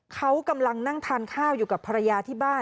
เขากำลังนั่งทานข้าวอยู่กับภรรยาที่บ้าน